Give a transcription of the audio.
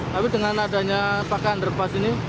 tapi dengan adanya pakai underpass ini